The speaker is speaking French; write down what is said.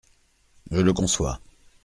Je le conçois.